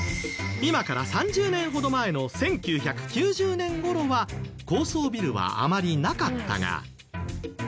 今から３０年ほど前の１９９０年頃は高層ビルはあまりなかったが。